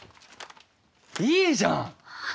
いいじゃん！